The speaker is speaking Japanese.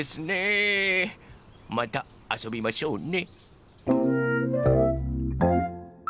またあそびましょうね。